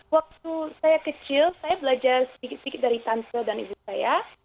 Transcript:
waktu saya kecil saya belajar sedikit sedikit dari tante dan ibu saya